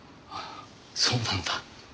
そうなんだ。